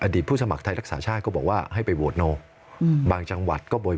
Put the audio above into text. ผู้สมัครไทยรักษาชาติก็บอกว่าให้ไปโหวตนอกบางจังหวัดก็บ่อย